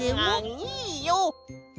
いいよ。